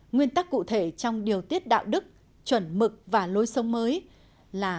nguyên tắc cụ thể trong điều tiết đạo đức chuẩn mực và lối sống mới là